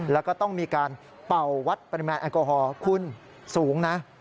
แล้วก็ต้องมีการเป่าวัดปริมาณแอลกอฮอลคุณสูงนะ